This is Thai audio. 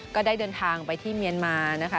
ก็ได้เดินทางไปที่เมียนมานะคะ